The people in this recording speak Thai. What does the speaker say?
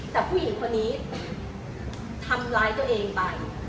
แต่ผู้หญิงคนนี้ทำร้ายตัวเองไป